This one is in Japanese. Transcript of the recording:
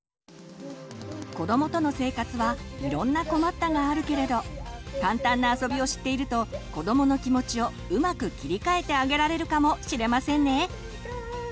子どもとの生活はいろんな困ったがあるけれど簡単なあそびを知っていると子どもの気持ちをうまく切り替えてあげられるかもしれませんね！